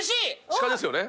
鹿ですよね？